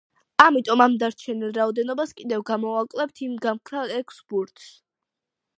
ამიტომ ამ დარჩენილ რაოდენობას კიდევ გამოვაკლებთ იმ გამქრალ ექვს ბურთს.